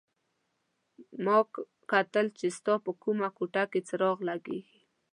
ما کتل چې ستا په کومه کوټه کې څراغ لګېږي.